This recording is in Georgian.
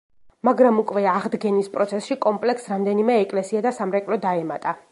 მაგრამ უკვე აღდგენის პროცესში, კომპლექსს რამდენიმე ეკლესია და სამრეკლო დაემატა.